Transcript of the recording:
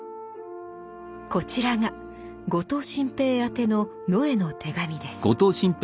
こちらが後藤新平宛ての野枝の手紙です。